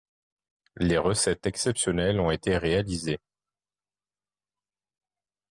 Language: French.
Les recettes exceptionnelles ont été réalisées